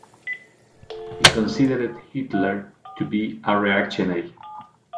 He considered Hitler to be a reactionary.